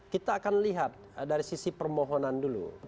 kita akan lihat dari sisi permohonan dulu